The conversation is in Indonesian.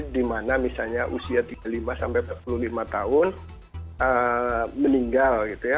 di mana misalnya usia tiga puluh lima sampai empat puluh lima tahun meninggal gitu ya